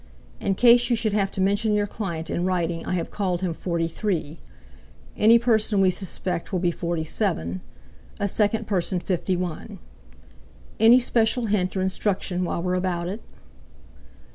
In case you should have to mention your client in writing I have called him 43; any person we suspect will be 47; a second person 51. Any special hint or instruction while we're about it?"